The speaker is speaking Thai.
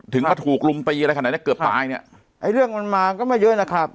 มาถูกลุมตีอะไรขนาดเนี้ยเกือบตายเนี่ยไอ้เรื่องมันมาก็ไม่เยอะนะครับ